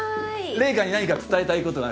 零花に何か伝えたいことある？